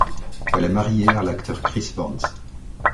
Elle est mariée à l'acteur Chris Vance.